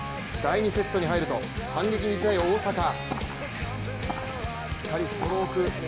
第２セットに入ると、反撃に出たい大坂。